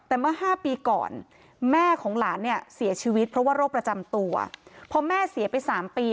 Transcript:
แต่เมื่อ๕ปีก่อนแม่ของหลานเนี่ยเสียชีวิตเพราะว่าโรคประจำตัวพอแม่เสียไป๓ปี